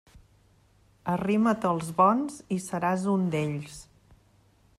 Arrima't als bons, i seràs un d'ells.